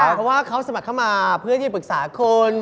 เพราะว่าเขาสมัครเข้ามาเพื่อที่ปรึกษาคน